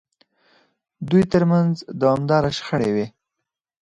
دوی ترمنځ دوامداره شخړې وې.